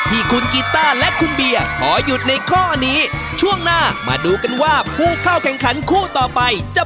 ที่คุณกีตาร์และคุณเบียร์ขอหยุดในข้อนี้